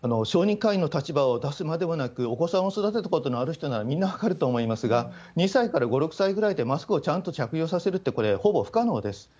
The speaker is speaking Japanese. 小児科医の立場を出すまでもなく、お子さんを育てたことのある人なら、みんな分かると思いますが、２歳から５、６歳ぐらいでマスクをちゃんと着用させるって、これ、ほぼ不可能です。